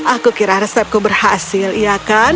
aku kira resepku berhasil iya kan